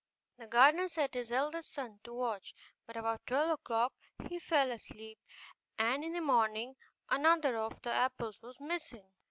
The gardener set his eldest son to watch; but about twelve o'clock he fell asleep, and in the morning another of the apples was missing.